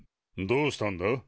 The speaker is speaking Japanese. どうしたんだ？